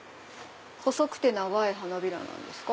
細くて長い花びらなんですか？